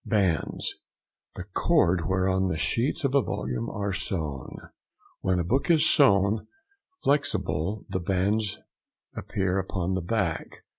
BANDS.—The cord whereon the sheets of a volume are sewn. When a book is sewn "flexible" the bands appear upon the back.